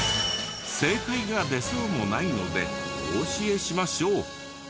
正解が出そうもないのでお教えしましょう。